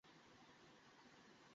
তাই না, সোনা?